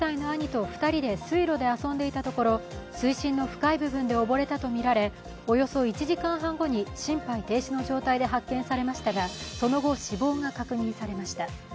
ところ水深の深い部分でおぼれたとみられ、およそ１時間半後に心肺停止の状態で発見されましたがその後、死亡が確認されました。